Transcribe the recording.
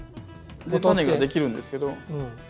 タネができるんですけど。